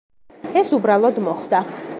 ეს უბრალოდ მოხდა.